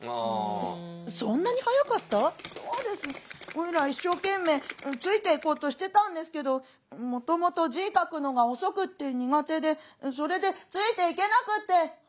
おいら一生懸命ついていこうとしてたんですけどもともと字書くのが遅くって苦手でそれでついていけなくて」。